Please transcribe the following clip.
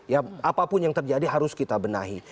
ya apapun yang terjadi harus kita benahi